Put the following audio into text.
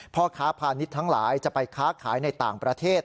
พ่อค้าพาณิชย์ทั้งหลายจะไปค้าขายในต่างประเทศ